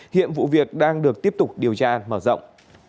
hiện vụ việc đang được tiếp tục điều tra mở rộng